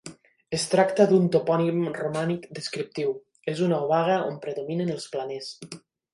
Es tracta d'un topònim romànic descriptiu, és una obaga on predominen els planers.